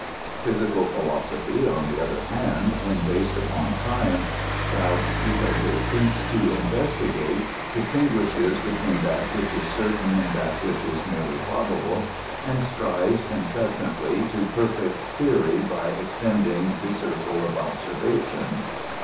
Physical philosophy, on the other hand, when based upon science, doubts because it seeks to investigate, distin guishes between that which is certain and that which is mere ly probable, and strives incessantly to perfect theory by ex tending the circle of observation.